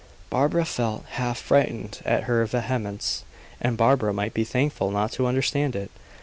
Barbara felt half frightened at her vehemence; and Barbara might be thankful not to understand it.